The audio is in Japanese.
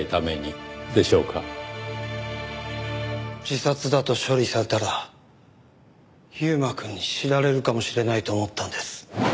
自殺だと処理されたら優馬くんに知られるかもしれないと思ったんです。